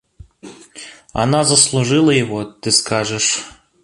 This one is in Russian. Она заслужила его, ты скажешь.